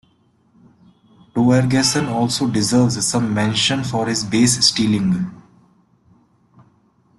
Torgeson also deserves some mention for his base stealing.